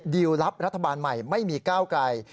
ลับรัฐบาลใหม่ไม่มีก้าวไกล